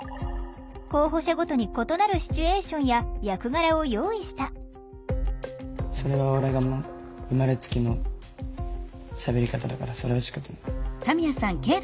候補者ごとに異なるシチュエーションや役柄を用意した「それは俺が生まれつきのしゃべり方だからそれはしかたない」。